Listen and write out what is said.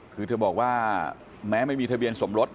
คือเธอบอกว่าแม้ไม่มีทะเบียนสมรส